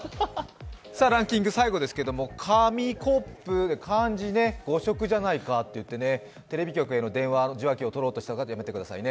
ランキング最後ですけれども、神コップ、誤植じゃないかってテレビ局への電話、受話器を取ろうとした人、やめてくださいね。